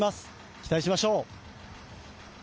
期待しましょう。